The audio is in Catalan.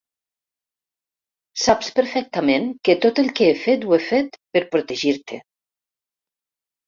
Saps perfectament que tot el que he fet ho he fet per protegir-te.